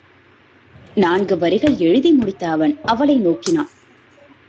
நான்கு வரிகள் எழுதிமுடித்த அவன் அவளை நோக்கினான்.